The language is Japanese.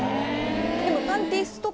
でも。